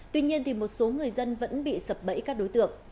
tuy nhiên một số người dân vẫn bị sập bẫy các đối tượng